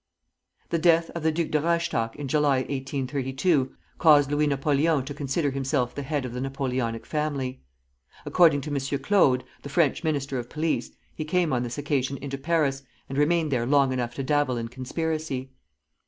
The death of the Duc de Reichstadt in July, 1832, caused Louis Napoleon to consider himself the head of the Napoleonic family. According to M. Claude, the French Minister of Police, he came on this occasion into Paris, and remained there long enough to dabble in conspiracy.